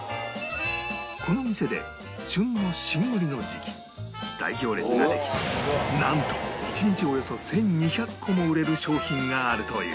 この店で旬の新栗の時期大行列ができなんと１日およそ１２００個も売れる商品があるという